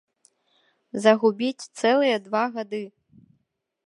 Загубіць цэлыя два гады!